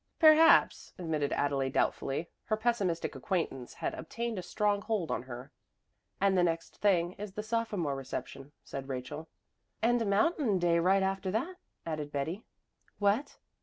"Perhaps," admitted Adelaide doubtfully. Her pessimistic acquaintance had obtained a strong hold on her. "And the next thing is the sophomore reception," said Rachel. "And Mountain Day right after that," added Betty. "What?"